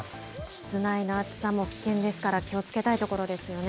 室内の暑さも危険ですから、気をつけたいところですよね。